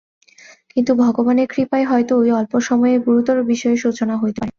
কিন্তু ভগবানের কৃপায় হয়তো ঐ অল্প সময়েই গুরুতর বিষয়ের সূচনা হইতে পারে।